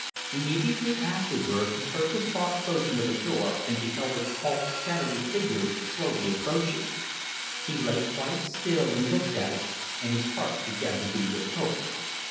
Immediately afterwards he heard the soft closing of a door and beheld a tall, shadowy figure slowly approaching. He lay quite still and looked at it, and his heart began to beat with hope.